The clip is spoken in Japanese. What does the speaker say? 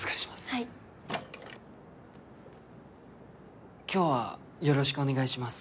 はい今日はよろしくお願いします